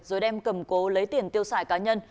rồi đem cầm cố lấy tiền tiêu xài cá nhân